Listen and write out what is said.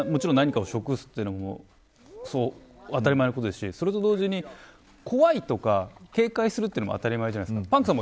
それが生きることだと思いますがもちろん何かを食すというのも当たり前のことですしそれと同時に怖いとか警戒するというのも当たり前じゃないですか。